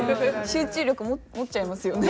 集中力持っちゃいますよね。